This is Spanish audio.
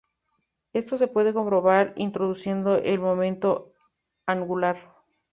Esto se puede comprobar introduciendo el momento angular.